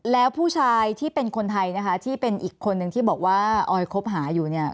แล้วผู้ชายที่เป็นคนไทยนะคะที่เป็นอีกคนนึงที่บอกว่าออยคบหาอยู่เนี่ย